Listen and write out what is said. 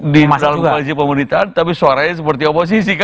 di dalam koalisi pemerintahan tapi suaranya seperti oposisi kan